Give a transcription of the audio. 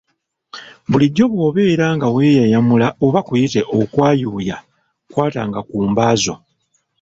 Bulijjo bw’obeera nga weeyayamula oba kuyite okwayuuya, kwatanga ku mba zo.